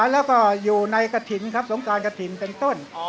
แล้วก็อยู่ในกระถิ่นครับสงการกระถิ่นเป็นต้น